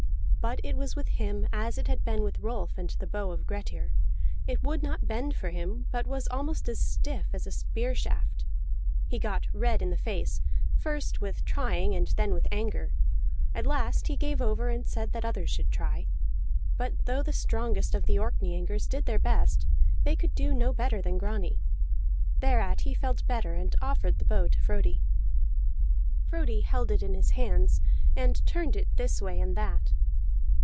But it was with him as it had been with Rolf and the bow of Grettir: it would not bend for him, but was almost as stiff as a spear shaft. He got red in the face, first with trying and then with anger; at last he gave over and said that others should try. But though the strongest of the Orkneyingers did their best, they could do no better than Grani. Thereat he felt better, and offered the bow to Frodi. Frodi held it in his hands, and turned it this way and that.